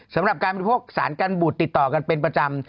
สำหรับการบริโภคสารกันบุตรติดต่อกันเป็นประจำ